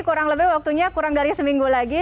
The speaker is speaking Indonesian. kurang lebih waktunya kurang dari seminggu lagi